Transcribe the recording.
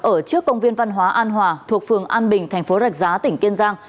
ở trước công viên văn hóa an hòa thuộc phường an bình thành phố rạch giá tỉnh kiên giang